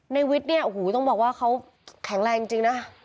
วิทย์เนี่ยโอ้โหต้องบอกว่าเขาแข็งแรงจริงนะ